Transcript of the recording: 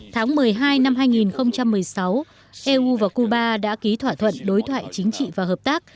tháng một mươi hai năm hai nghìn một mươi sáu eu và cuba đã ký thỏa thuận đối thoại chính trị và hợp tác